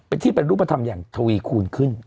เป็นที่เป็นรูปธรรมอย่างทวีคูณขึ้น